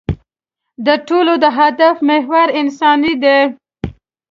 د ټولو د هدف محور انساني دی.